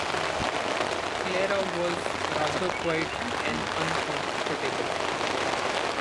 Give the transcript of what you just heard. Clara was rather quiet and uncomfortable.